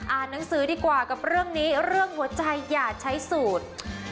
หนังสือดีกว่ากับเรื่องนี้เรื่องหัวใจอย่าใช้สูตร